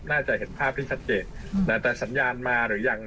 น่าจะเห็นภาพที่ชัดเจนแต่สัญญาณมาหรือยัง